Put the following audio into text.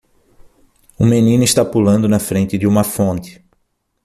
Um menino está pulando na frente de uma fonte.